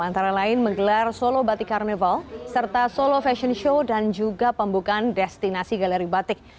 antara lain menggelar solo batik carnival serta solo fashion show dan juga pembukaan destinasi galeri batik